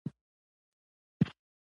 باد انرژي ورکوي.